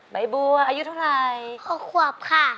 ไบบัวอายุเท่าไรควบค่ะ